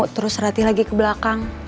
terus ratih lagi ke belakang